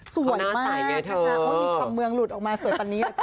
สวยมากมีความเมืองหลุดออกมาสวยปันนี้แหละจ๊ะ